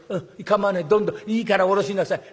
構わないどんどんいいから下ろしなさい。